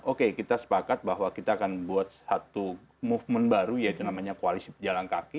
oke kita sepakat bahwa kita akan buat satu movement baru yaitu namanya koalisi pejalan kaki